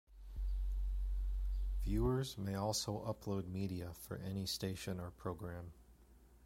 Viewers may also upload media for any station or program.